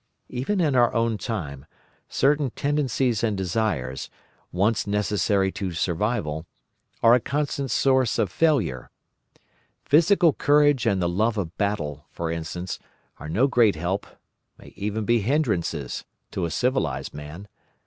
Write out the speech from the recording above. Even in our own time certain tendencies and desires, once necessary to survival, are a constant source of failure. Physical courage and the love of battle, for instance, are no great help—may even be hindrances—to a civilised man.